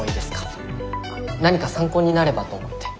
何か参考になればと思って。